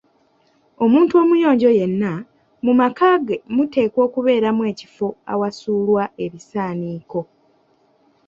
Omuntu omuyonjo yenna ,mu maka ge muteekwa okubeeramu ekifo awasuulwa ebisaaniiko.